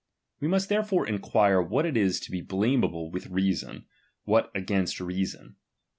We must therefore enquire what it is to be blameahle with reason, what against reason.